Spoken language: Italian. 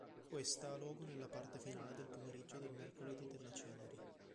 Questa ha luogo nella parte finale del pomeriggio del mercoledì delle ceneri.